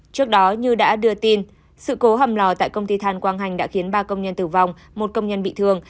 trước đó như đã đưa tin sự cố hầm lò tại công ty than quang hành đã khiến ba công nhân tử vong một công nhân bị thương